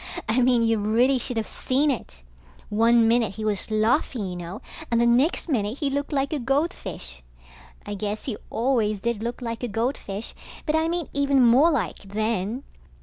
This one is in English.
I mean you really should of seen it. One minute he was laughing you know, and the next minute he looked like a goldfish. I guess he always did look like a goldfish, but I mean even more like, then.